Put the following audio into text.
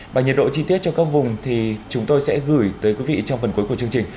và nhiệt độ chi tiết cho các vùng thì chúng tôi sẽ gửi tới quý vị trong phần cuối của chương trình